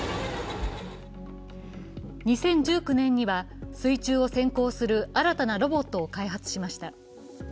２０１９年には、水中を潜航する新たなロボットを開発しました。